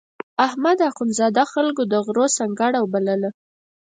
احمد اخوندزاده خلکو د غرو سنګړه بلله.